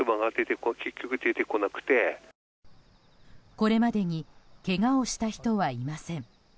これまでにけがをした人はいません。